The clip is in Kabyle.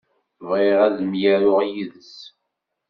Bɣiɣ ad myaruɣ yid-s.